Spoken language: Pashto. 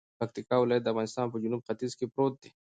پکتیکا ولایت دافغانستان په جنوب ختیځ کې پروت دی